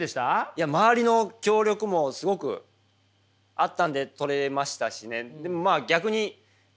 いや周りの協力もすごくあったので取れましたしね。